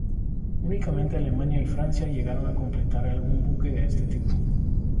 Únicamente Alemania y Francia, llegaron a completar algún buque de este tipo.